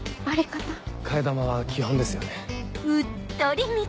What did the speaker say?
替え玉は基本ですよね。